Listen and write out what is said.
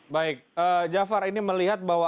baik jafar ini melihat bahwa